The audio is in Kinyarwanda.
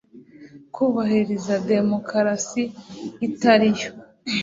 kubahirizademokarasi itari yo